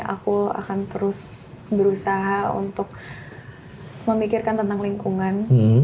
aku akan terus berusaha untuk memikirkan tentang lingkungan